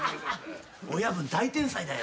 親分大天才だよ。